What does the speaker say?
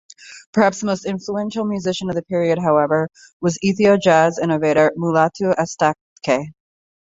Perhaps the most influential musician of the period, however, was Ethio-jazz innovator Mulatu Astatke.